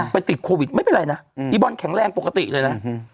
ติดโควิดไม่เป็นไรนะอีบอลแข็งแรงปกติเลยนะ